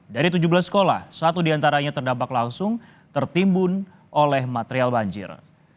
dari tujuh belas sekolah satu diantaranya terdampak langsung tertimbun oleh material banjir